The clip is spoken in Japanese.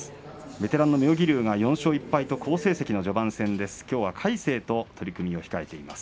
ベテランの妙義龍が４勝１敗と好成績の序盤戦です。